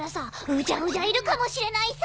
うじゃうじゃいるかもしれないさ！